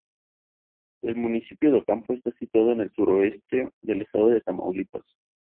El municipio de Ocampo está situado al suroeste del estado de Tamaulipas.